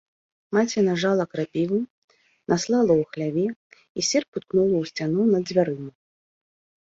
Маці нажала крапівы, наслала ў хляве і серп уткнула ў сцяну над дзвярыма.